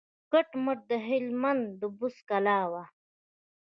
کټ مټ د هلمند د بست کلا وه.